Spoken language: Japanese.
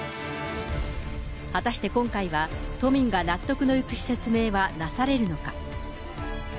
果たして今回は、都民が納得のいく説明はなされるのか。